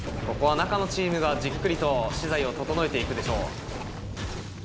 ここは中のチームがじっくりと資材を調えて行くでしょう。